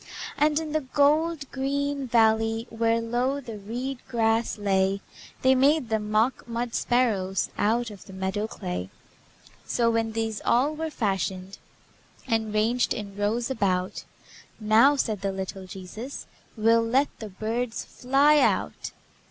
And in the gold green valley, Where low the reed grass lay, They made them mock mud sparrows Out of the meadow clay. So, when these all were fashioned, And ranged in rows about, "Now," said the little Jesus, "We'll let the birds fly out."